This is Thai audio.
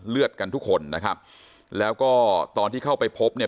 เลือดกันทุกคนนะครับแล้วก็ตอนที่เข้าไปพบเนี่ย